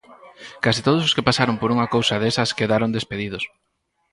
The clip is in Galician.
Case todos os que pasaron por unha cousa desas quedaron despedidos.